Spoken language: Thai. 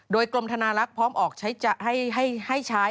โดยกรมธนาลักษณ์พร้อมให้ใช้